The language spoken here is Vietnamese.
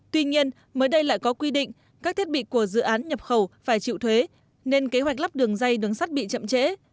tuy nhiên mới đây lại có quy định các thiết bị của dự án nhập khẩu phải chịu thuế nên kế hoạch lắp đường dây đường sắt bị chậm trễ